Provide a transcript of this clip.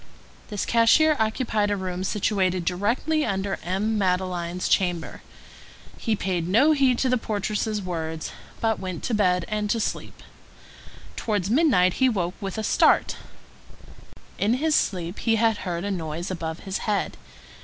This cashier occupied a room situated directly under M. Madeleine's chamber. He paid no heed to the portress's words, but went to bed and to sleep. Towards midnight he woke up with a start; in his sleep he had heard a noise above his head.